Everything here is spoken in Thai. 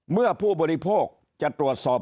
ผู้บริโภคจะตรวจสอบ